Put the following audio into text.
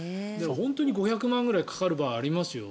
本当に５００万円ぐらいかかる場合ありますよ。